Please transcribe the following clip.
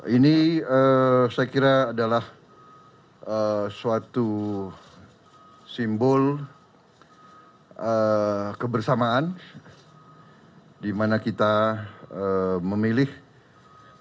ini saya kira adalah suatu simbol kebersamaan di mana kita memilih kader kader terbaik